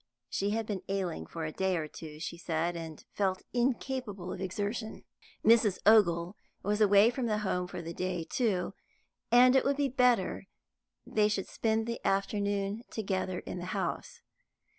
She had been ailing for a day or two, she said, and felt incapable of exertion; Mrs. Ogle was away from home for the day, too, and it would be better they should spend the afternoon together in the house.